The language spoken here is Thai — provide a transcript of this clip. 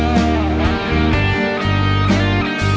สมาธิพร้อม